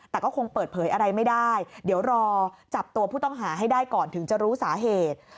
แต่ก็คงเปิดเผยอะไรไม่ได้เดี๋ยวรอจับตัวผู้ต้องหาให้ได้ก่อนถึงจะรู้สาเหตุ